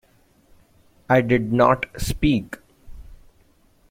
I did not speak.